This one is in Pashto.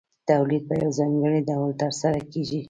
تولید په یو ځانګړي ډول ترسره کېږي